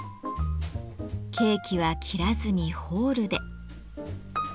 ケーキは切らずにホールで。